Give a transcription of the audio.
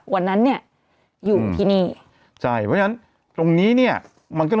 วันนั้นเนี่ยอยู่ที่นี่ใช่เพราะฉะนั้นตรงนี้เนี่ยมันก็